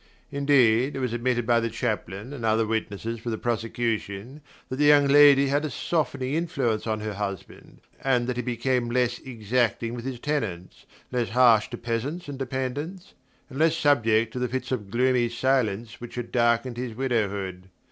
Indeed, it was admitted by the chaplain and other witnesses for the prosecution that the young lady had a softening influence on her husband, and that he became less exacting with his tenants, less harsh to peasants and dependents, and less subject to the fits of gloomy silence which had darkened his widow hood.